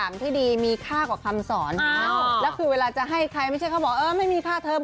นี่คุณผู้ชมพี่แจ๊คฟังว่าเราโดยคุณพ่อพี่แจ๊ค